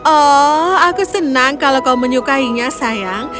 oh aku senang kalau kau menyukainya sayang